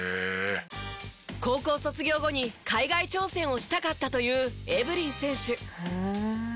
高校卒業後に海外挑戦をしたかったというエブリン選手。